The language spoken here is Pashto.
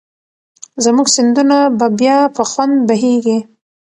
زموږ سیندونه به بیا په خوند بهېږي.